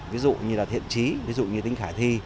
ví dụ như là thiện trí ví dụ như tính khả thi